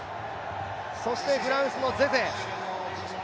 そしてフランスのゼゼ。